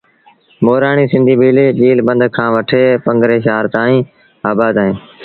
مورآڻيٚ سنڌيٚ ڀيٚل چيٚل بند کآݩ وٺي پنگري شآهر تائيٚݩ آبآد اوهيݩ